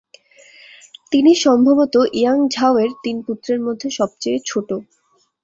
তিনি সম্ভবত ইয়াং ঝাওয়ের তিন পুত্রের মধ্যে সবচেয়ে ছোট।